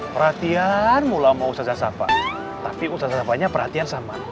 perhatian mulai mau sasar tapi usaha usahanya perhatian sama